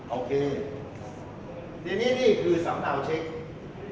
โอเคเดี๋ยวนี้คือสำนักเอาเช็ค